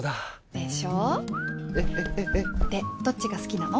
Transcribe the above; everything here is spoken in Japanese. でどっちが好きなの？